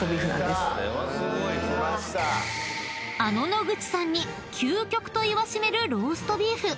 ［あの野口さんに究極と言わしめるローストビーフ］